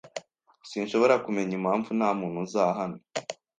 Sinshobora kumenya impamvu ntamuntu uza hano.